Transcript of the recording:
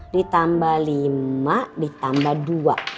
ditambah lima ditambah dua